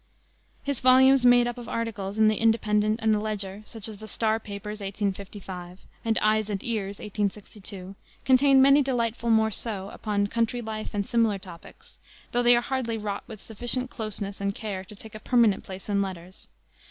His volumes made up of articles in the Independent and the Ledger, such as Star Papers, 1855, and Eyes and Ears, 1862, contain many delightful morceaux upon country life and similar topics, though they are hardly wrought with sufficient closeness and care to take a permanent place in letters.